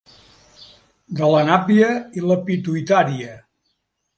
De la nàpia i la pituïtària.